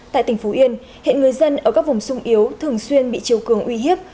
tại tỉnh phú yên hiện người dân ở các vùng sung yếu thường xuyên bị chiều cường uy hiếp